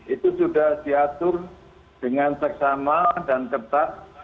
itu sudah diatur dengan teks sama dan tepat